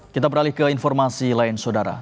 kita beralih ke informasi lain saudara